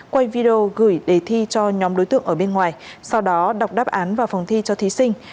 quay video gửi đề thi cho nhóm đối tượng ở bên ngoài sau đó đọc đáp án vào phòng thi cho thí sinh